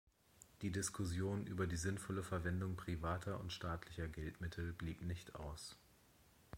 Die Diskussion über die sinnvolle Verwendung privater und staatlicher Geldmittel blieb nicht aus.